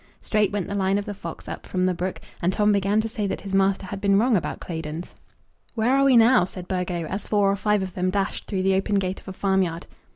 Straight went the line of the fox, up from the brook, and Tom began to say that his master had been wrong about Claydon's. "Where are we now?" said Burgo, as four or five of them dashed through the open gate of a farmyard.